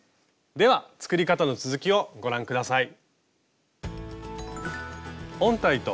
では作り方の続きをご覧下さい。